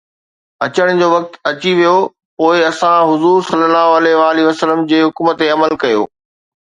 اچڻ جو وقت اچي ويو، پوءِ اسان حضور ﷺ جي حڪم تي عمل ڪيو